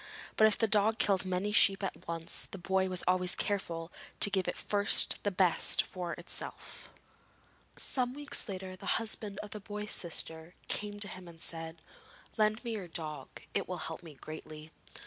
But if the dog killed many sheep at once, the boy was always careful to give it first the best for itself. Some weeks later the husband of the boy's sister came to him and said: 'Lend me your dog, it will help me greatly.'